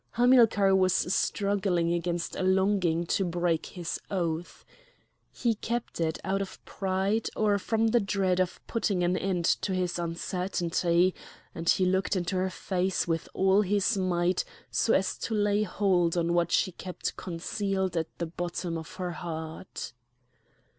Hamilcar was struggling against a longing to break his oath. He kept it out of pride or from the dread of putting an end to his uncertainty; and he looked into her face with all his might so as to lay hold on what she kept concealed at the bottom of her heart.